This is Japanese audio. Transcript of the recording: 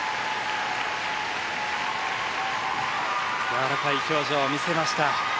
やわらかい表情を見せました。